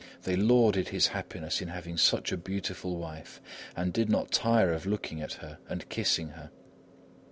They lauded his happiness in having such a beautiful wife, and did not tire of looking at her and kissing her.